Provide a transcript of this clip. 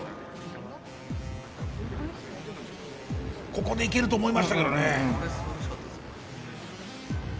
ここでいけると思いましたけどね。